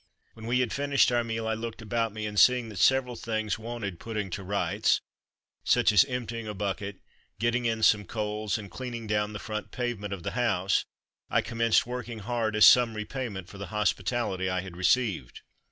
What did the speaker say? When we had finished our meal I looked about me, and seeing that several things wanted putting to rights, such as emptying a bucket, getting in some coals, and cleaning down the front pavement of the house, I commenced working hard as some repayment for the hospitality I had received.